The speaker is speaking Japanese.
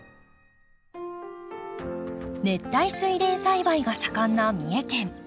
熱帯スイレン栽培が盛んな三重県。